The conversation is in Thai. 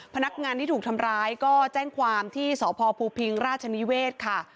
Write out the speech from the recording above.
พนักงานที่ถูกทำร้ายก็แจ้งความที่สพภูพิงราชนิเวศค่ะ